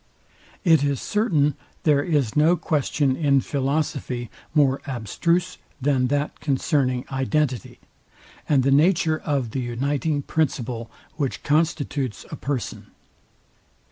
It is certain there is no question in philosophy more abstruse than that concerning identity, and the nature of the uniting principle, which constitutes a person.